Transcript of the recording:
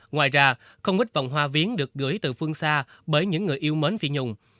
ngoài ra không ít vòng hoa viến được gửi từ phương xa bởi những người yêu mến phi nhung